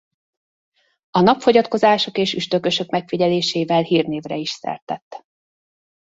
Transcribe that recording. A napfogyatkozások és üstökösök megfigyelésével hírnévre is szert tett.